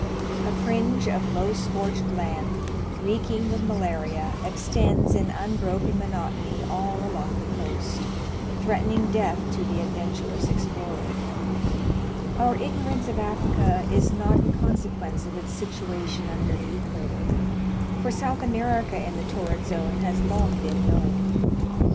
A fringe of low scorched land, reeking with malaria, extends in unbroken monotony all along the coast, threatening death to the adventur ous explorer. Our ignorance of Africa is not in consequence of VOL. I. 9 100 National Geographic Magazine. its situation under the equator, for South America in the torrid zone has long been known.